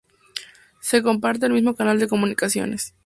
Se comparte el mismo canal de comunicaciones.